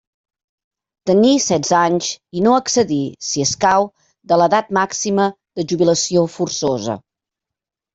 Tenir setze anys i no excedir, si escau, de l'edat màxima de jubilació forçosa.